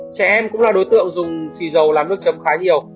trẻ em cũng là đối tượng dùng xì dầu làm nước chấm khá nhiều